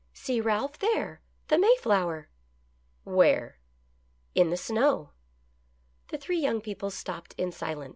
" See, Ralph, there ! the Mayflower !"" Where ?"" In the snow." The three young people stopped in silence.